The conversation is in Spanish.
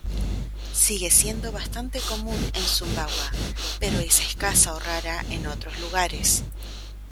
Sigue siendo bastante común en Sumbawa, pero es escasa o rara en otros lugares.